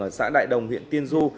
ở xã đại đồng huyện tiên du